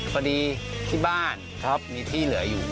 พอดีที่บ้านครับมีที่เหลืออยู่